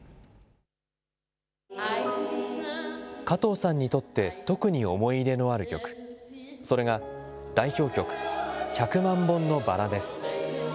加藤さんにとって、特に思い入れのある曲、それが代表曲、百万本のバラです。